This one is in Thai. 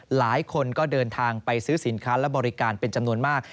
หลายคนก็เดินทางไปซื้อสินค้าและบริการเป็นจำนวนมาก